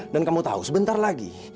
dan kamu tahu sebentar lagi